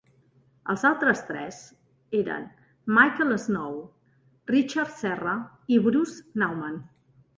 Els altres tres eren: Michael Snow, Richard Serra i Bruce Nauman.